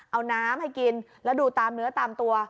เอาน้ำให้กินแล้วดูตามเนื้อตามตัว